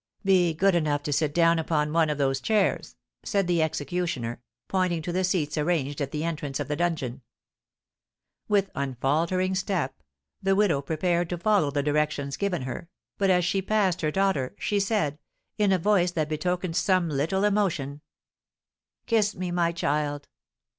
"Be good enough to sit down upon one of those chairs," said the executioner, pointing to the seats arranged at the entrance of the dungeon. With unfaltering step, the widow prepared to follow the directions given her, but as she passed her daughter she said, in a voice that betokened some little emotion: "Kiss me, my child!"